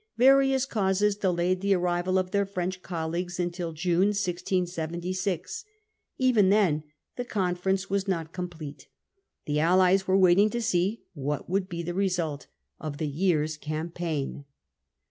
Various causes delayed the arrival of their French colleagues until June 1676. Even then the conference was not complete. The allies were waiting to see what would be the result of the year's campaign.